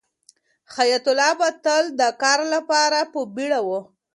حیات الله به تل د کار لپاره په بیړه و.